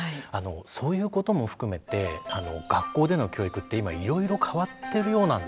そういうことも含めて学校での教育って今いろいろ変わってるようなんですね。